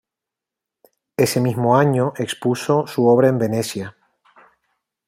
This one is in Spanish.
Ese mismo año expuso su obra en Venecia.